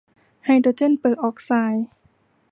ไฮโดรเจนเปอร์ออกไซด์